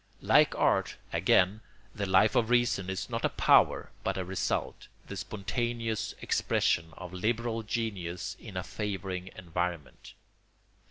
Like art, again, the Life of Reason is not a power but a result, the spontaneous expression of liberal genius in a favouring environment.